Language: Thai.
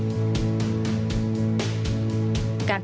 โอประโยค